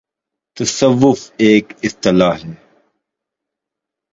' تصوف‘ ایک اصطلاح ہے۔